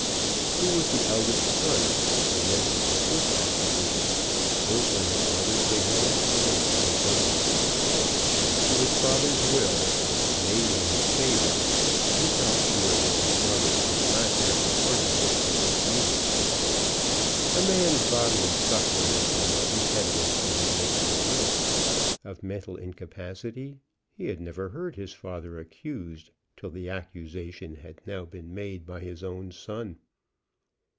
He was the eldest son, and meant to support that position, both on his mother's behalf and on his own. As to his father's will, made in his favor, he felt sure that his brother would not have the hardihood to dispute it. A man's bodily sufferings were no impediment to his making a will; of mental incapacity he had never heard his father accused till the accusation had now been made by his own son.